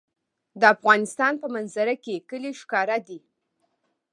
د افغانستان په منظره کې کلي ښکاره ده.